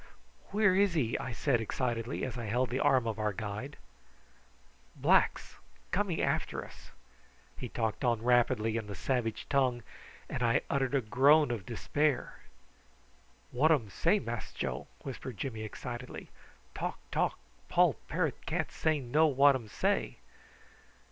"Where is he?" I said excitedly, as I held the arm of our guide. "Blacks coming after us." He talked on rapidly in the savage tongue and I uttered a groan of despair. "What um say, Mass Joe?" whispered Jimmy excitedly. "Talk, talk, poll parrot can't say know what um say.